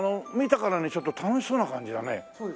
見たからにちょっと楽しそうな感じだね。